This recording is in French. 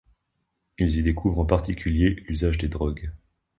Ils y découvrent en particulier l'usage des drogues.